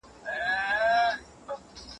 حقایق وپلټئ.